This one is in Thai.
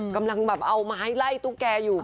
กำลังแบบเอาไม้ไล่ตุ๊กแกอยู่